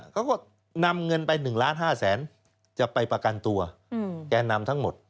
เขาก็นำเงินไป๑๕๐๐๐๐๐บาทจะไปประกันตัวแกนำทั้งหมด